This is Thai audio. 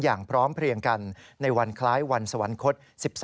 อย่างพร้อมเพลียงกันในวันคล้ายวันสวรรคต๑๓